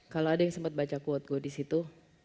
kalau ada yang sempet baca quote gue disitu